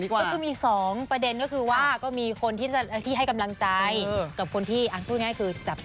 ครับโค้นก้าวออกมาถอยออกมาก้าวหนึ่งดีกว่า